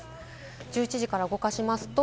１１時から動かします。